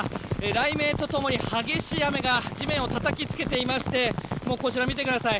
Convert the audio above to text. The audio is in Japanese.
雷鳴と共に激しい雨が地面をたたきつけていましてこちら見てください。